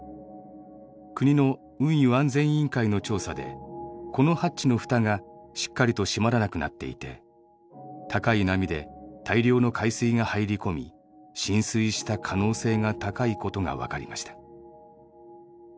国の運輸安全委員会の調査でこのハッチのふたがしっかりと閉まらなくなっていて高い波で大量の海水が入り込み浸水した可能性が高いことがわかりました。